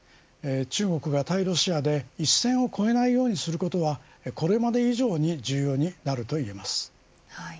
中国が対ロシアで、一線を越えないようにすることはこれまで以上に重要になると言えます。